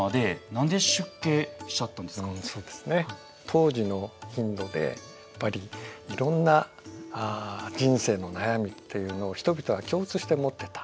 当時のインドでやっぱりいろんな人生の悩みっていうのを人々は共通して持ってた。